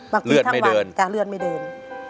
บางทีทำวันเลือดไม่เดิน